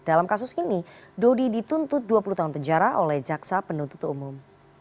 dalam kasus ini dodi dituntut dua puluh tahun penjara oleh jaksa penuntut umum